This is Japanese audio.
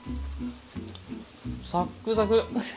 サックサク！